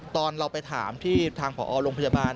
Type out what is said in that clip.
ตอนเราไปถามที่ทางผอโรงพยาบาล